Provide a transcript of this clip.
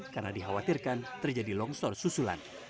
karena dikhawatirkan terjadi longsor susulan